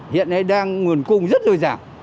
hiện nay đang nguồn cung rất dồi dàng